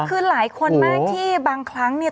คือหลายคนมากที่บางครั้งเนี่ย